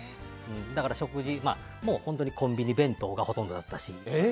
だから食事本当にコンビニ弁当がほとんどだったし。